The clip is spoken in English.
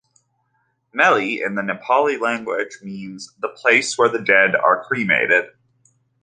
Melli in the Nepali language means "the place where the dead are cremated".